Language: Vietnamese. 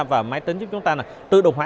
và máy tính giúp chúng ta tự động hóa